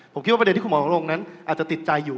ผมคิดว่าประเด็นที่คุณหมอลงนั้นอาจจะติดใจอยู่